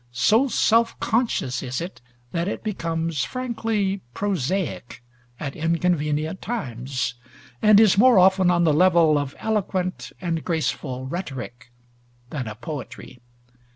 So self conscious is it that it becomes frankly prosaic at inconvenient times, and is more often on the level of eloquent and graceful rhetoric than of poetry.